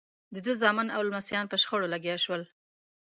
د ده زامن او لمسیان په شخړو لګیا شول.